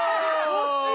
惜しい！